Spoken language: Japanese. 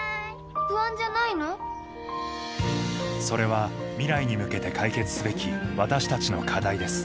それは未来に向けて解決すべき私たちの課題です